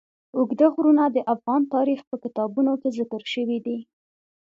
اوږده غرونه د افغان تاریخ په کتابونو کې ذکر شوی دي.